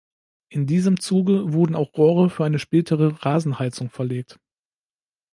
In diesem Zuge wurden auch Rohre für eine spätere Rasenheizung verlegt.